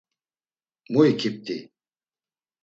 Mu ikipt̆i?